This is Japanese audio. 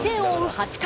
８回。